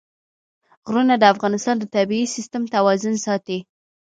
غرونه د افغانستان د طبعي سیسټم توازن ساتي.